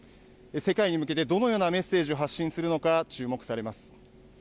世界に向けてどのようなメッセージを発信するのか、注目されます。